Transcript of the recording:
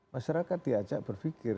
masyarakat diajak berpikir